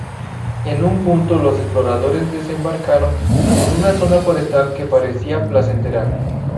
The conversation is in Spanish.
En un punto los exploradores desembarcaron en una zona forestal que parecía placentera.